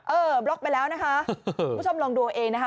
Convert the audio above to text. เออบล็อกไปแล้วนะคะผู้ชมลองดูเองนะคะ